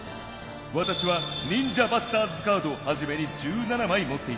わたしはニンジャバスターズカードをはじめに１７まいもっていた。